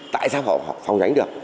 tại sao họ không gánh được